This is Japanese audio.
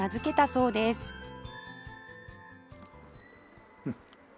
うん。